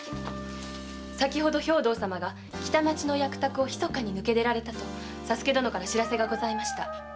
先程兵藤様が北町の役宅をひそかに抜け出られたと佐助殿から報せがございました。